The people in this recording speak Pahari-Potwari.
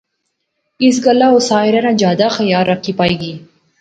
اسے گلاہ او ساحرہ ناں جادے خیال رکھے پئی گے